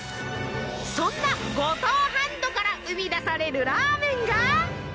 そんなゴドウハンドから生み出されるラーメンが。